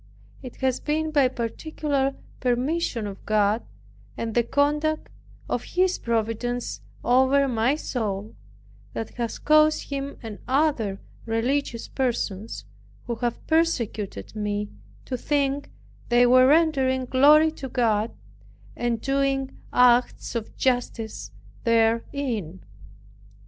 It has been by particular permission of God, and the conduct of His providence over my soul, that has caused him and other religious persons, who have persecuted me, to think they were rendering glory to God, and doing acts of justice therein.